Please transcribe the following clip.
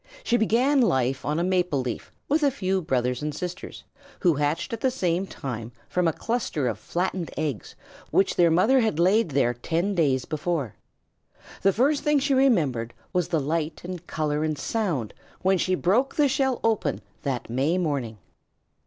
She began life on a maple leaf with a few brothers and sisters, who hatched at the same time from a cluster of flattened eggs which their mother had laid there ten days before. The first thing she remembered was the light and color and sound when she broke the shell open that May morning.